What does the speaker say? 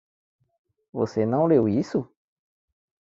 Você não leu isso?